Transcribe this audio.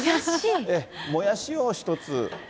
もやしを一つ。